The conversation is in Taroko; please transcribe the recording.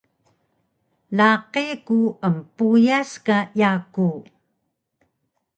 Laqi ku empuyas ka yaku